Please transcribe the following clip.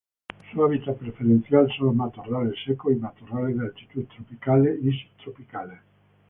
Su hábitat preferencial son los matorrales secos y matorrales de altitud tropicales y subtropicales.